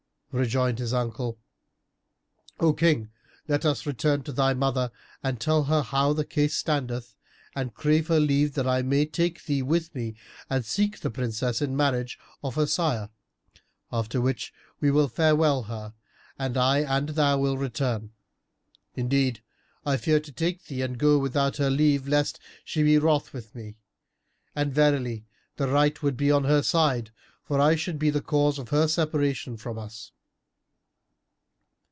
Rejoined his uncle, "O King, let us return to thy mother and tell her how the case standeth and crave her leave that I may take thee with me and seek the Princess in marriage of her sire; after which we will farewell her and I and thou will return. Indeed, I fear to take thee and go without her leave, lest she be wroth with me; and verily the right would be on her side, for I should be the cause of her separation from us.